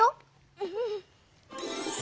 うん！